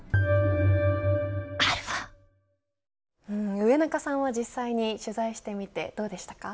上中さんは、実際に取材してみて、どうでしたか。